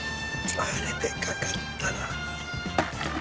あれでかかったなあ。